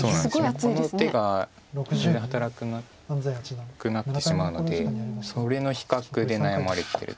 この手が全然働かなくなってしまうのでそれの比較で悩まれてると思います。